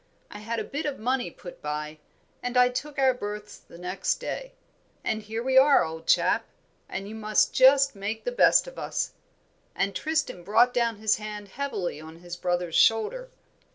I had a bit of money put by, and I took our berths the next day; and here we are, old chap, and you must just make the best of us;" and Tristram brought down his hand heavily on his brother's shoulder.